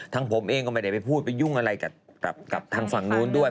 ผมเองก็ไม่ได้ไปพูดไปยุ่งอะไรกับทางฝั่งนู้นด้วย